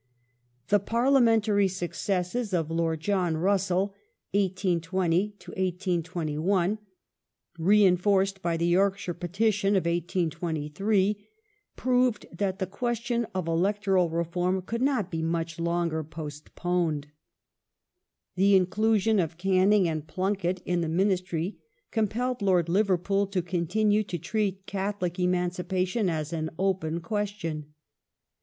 The parliamentary successes of Lord John Russell (1820 1821),! reinforced by the Yorkshire petition of 182S, proved that the question of electoral reform could not be much longer postponed. The inclusion of Canning and Plunket in the Ministry compelled Lord Liverpool to continue to treat Catholic emancipa tion as an "open question".